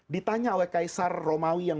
ditanya oleh kaisar romawi yang